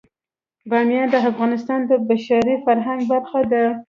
بامیان د افغانستان د بشري فرهنګ برخه ده.